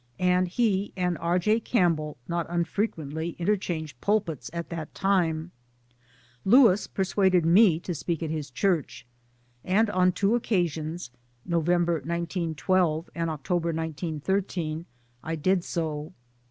and he and R. J. Campbell not unfrequently inter^ changed pulpits at that tirrie. Lewis persuaded me to speak at his church' ; and on two occasions (November 1912 and October 1913) I did so.